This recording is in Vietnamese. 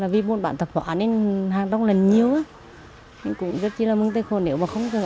vì một bạn thập hóa nên hàng đồng lần nhiều cũng rất là mừng tới khổ nếu